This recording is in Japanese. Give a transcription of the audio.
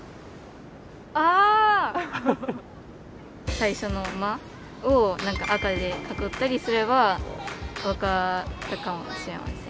最初の「マ」を赤で囲ったりすれば分かったかもしれません。